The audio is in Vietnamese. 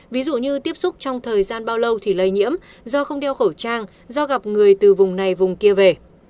ví dụ như tiếp xúc trong thời gian bao lâu thì lây nhiễm do không đeo khẩu trang do gặp người từ vùng này vùng kia về